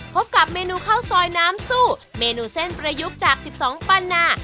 พบกับเมนูข้าวซอยน้ำซู่เมนูเส้นประยุกต์จาก๑๒ปันนา